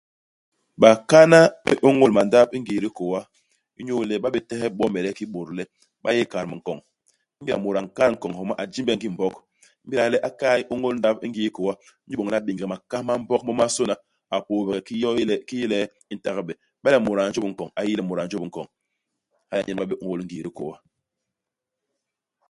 Bakana ba bé ôñôl mandap i ngii i dikôa, inyu le ba bé tehe bomede kiki bôt le ba yé ikat minkoñ. Ingéda mut a nkat nkoñ homa, a jimbe ngim mbok, i m'béda le a ke'e a ôñôl ndap i ngii hikôa, inyu boñ le a béngege makas ma mbok momasôna, a pôôbege ki yo i ye le kii i yé le i ntagbe. Iba le yak mut a njôp i nkoñ, a yi le mut a njôp i nkoñ. Hala nyen ba bé ôñôl i ngii i dikôa.